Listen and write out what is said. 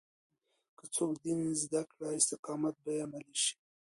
که څوک دين زده کړي، استقامت به يې عملي شي.